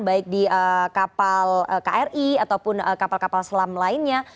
baik di kapal kri ataupun kapal kapal selam lainnya